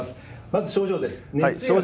まず症状です。